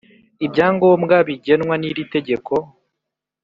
ibyangombwa bigenwa n’iri tegeko